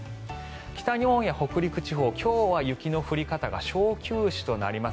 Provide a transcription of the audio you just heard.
北日本や北陸地方今日は雪の降り方が小休止となります。